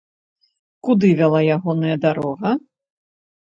Куды вяла ягоная дарога?